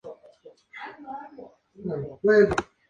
Hizo falta vencer el escepticismo de la población.